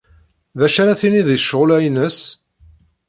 D acu ara tiniḍ di ccɣel-a-ines?